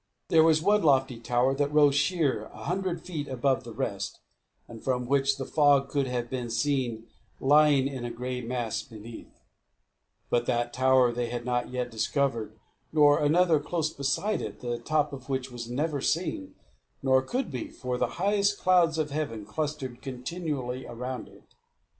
There was one lofty tower that rose sheer a hundred feet above the rest, and from which the fog could have been seen lying in a grey mass beneath; but that tower they had not yet discovered, nor another close beside it, the top of which was never seen, nor could be, for the highest clouds of heaven clustered continually around it.